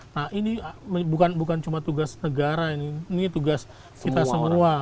nah ini bukan cuma tugas negara ini ini tugas kita semua